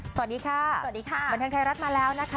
สวัสดีค่ะสวัสดีค่ะบันเทิงไทยรัฐมาแล้วนะคะ